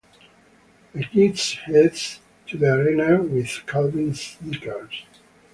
The kids head to the arena with Calvin's sneakers.